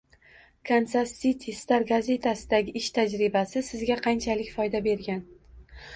Kansas City Star gazetasidagi ish tajribasi sizga qanchalik foyda bergan